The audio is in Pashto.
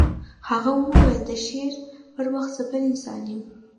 هغه وویل د شعر پر وخت زه بل انسان یم